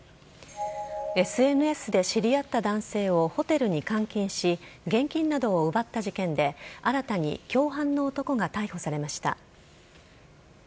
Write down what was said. ＳＮＳで知り合った男性をホテルに監禁し現金などを奪った事件で新たに共犯の男が逮捕されました。